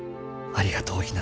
ありがとう。